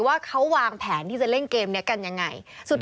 ว่าเขาวางแผนที่จะเล่นเกมนี้กันยังไง